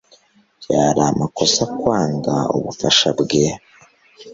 Byari amakosa kwanga ubufasha bwe.